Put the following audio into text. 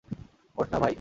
ওঠ না, ভাই।